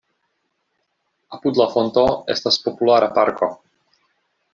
Apud la fonto estas populara parko.